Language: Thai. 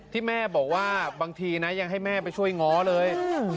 ที่แม่บอกว่าบางทีนะยังให้แม่ไปช่วยง้อเลย